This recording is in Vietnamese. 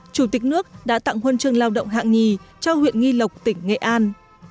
chủ tịch nước đã tặng huân chương lao động hạng nhì cho huyện nghi lộc tỉnh nghệ an